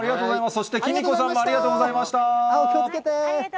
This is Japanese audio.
そして貴美子さんもありがとうございました。